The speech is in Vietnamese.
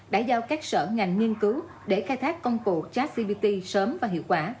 đã giao các sở ngành nghiên cứu để khai thác công cụ trách gbt sớm và hiệu quả